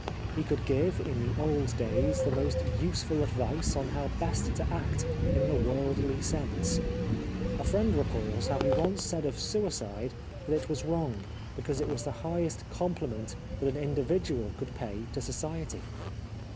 He could give, in the old days, the most useful advice on how best to act in the worldly sense. A friend recalls how he once said of suicide that it was wrong, because it was the highest compli ment that an individual could pay to society.